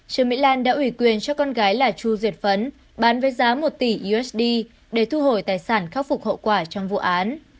trương mỹ lan đã ủy quyền cho con gái là chu duyệt phấn bán với giá một tỷ usd để thu hồi tài sản khắc phục hậu quả trong vụ án